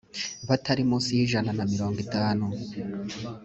batari mu nsi y ijana na mirongo itanu